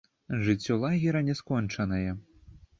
Жыццё лагера не скончанае.